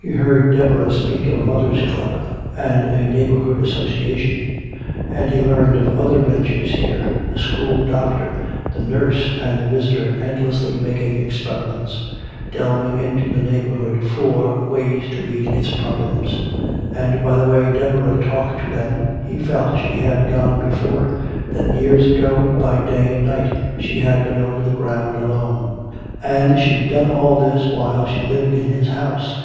He heard Deborah speak of a mothers' club and a neighborhood association; and he learned of other ventures here, the school doctor, the nurse and the visitor endlessly making experiments, delving into the neighborhood for ways to meet its problems. And by the way Deborah talked to them he felt she had gone before, that years ago by day and night she had been over the ground alone. And she'd done all this while she lived in his house!